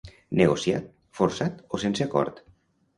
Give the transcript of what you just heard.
Negociat, forçat o sense acord.